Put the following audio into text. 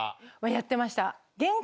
やってました。